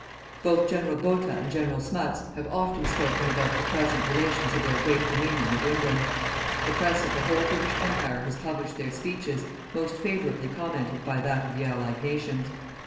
Both General Botha and General Smuts have often spoken about the present relations of their great Dominion with England. The press of the whole British Empire has published their speeches, most favourably commented by that of the Allied nations.